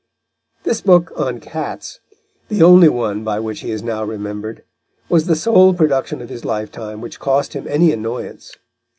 This book on Cats, the only one by which he is now remembered, was the sole production of his lifetime which cost him any annoyance.